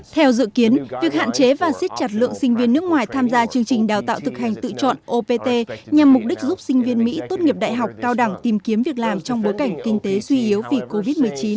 theo dự kiến việc hạn chế và siết chặt lượng sinh viên nước ngoài tham gia chương trình đào tạo thực hành tự chọn opt nhằm mục đích giúp sinh viên mỹ tốt nghiệp đại học cao đẳng tìm kiếm việc làm trong bối cảnh kinh tế suy yếu vì covid một mươi chín